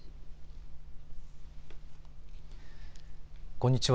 こんにちは。